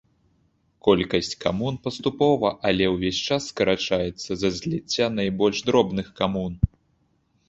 Колькасць камун паступова, але ўвесь час скарачаецца з-за зліцця найбольш дробных камун.